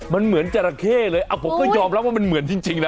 มันเหมือนจราเข้เลยผมก็ยอมรับว่ามันเหมือนจริงนะ